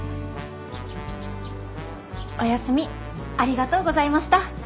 ・お休みありがとうございました。